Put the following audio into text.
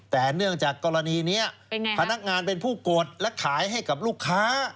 แต่เนื่องจากกรณีนี้พนักงานเป็นผู้กดและขายให้กับลูกค้า